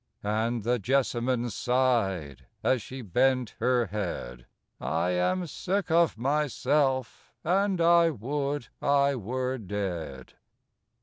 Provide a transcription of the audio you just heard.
And the jessamine sighed, as she bent her head, "I am sick of myself, and I would I were dead!"